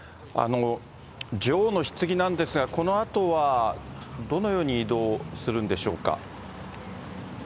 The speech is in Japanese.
女王のひつぎなんですが、このあとはどのように移動するんでしょうか。